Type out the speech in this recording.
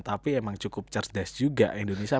tapi emang cukup cerdas juga indonesia